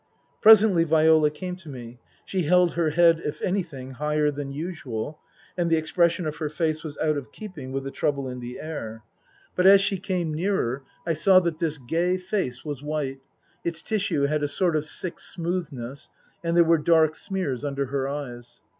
Presently Viola came to me. She held her head if anything higher than usual, and the expression of her face was out of keeping with the trouble in the air. But 86 Tasker Jevons as she came nearer I saw that this gay face was white, its tissue had a sort of sick smoothness, and there were dark smears under her eyes.